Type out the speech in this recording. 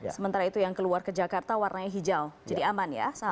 sementara itu yang keluar ke jakarta warnanya hijau jadi aman ya